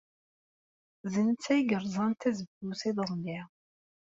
D netta ay yerẓan tazewwut iḍelli.